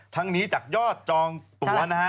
ทั้งนี้จากยอดจองตัวนะฮะ